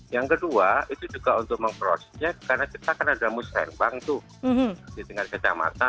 yang kedua itu juga untuk memprosjek karena kita kan ada muslim bank tuh di tengah kejamatan